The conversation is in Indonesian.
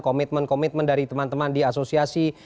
komitmen komitmen dari teman teman di asosiasi